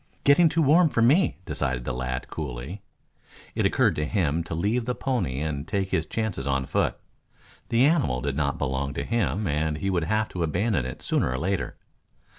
"Getting too warm for me," decided the lad coolly. It occurred to him to leave the pony and take his chances on foot. The animal did not belong to him and he would have to abandon it sooner or later.